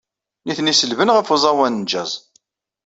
Nitni selben ɣef uẓawan n jazz.